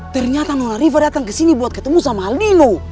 ternyata nona riva datang kesini buat ketemu sama aldino